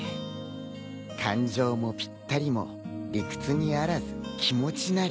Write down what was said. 感情もぴったりも理屈にあらず気持ちなり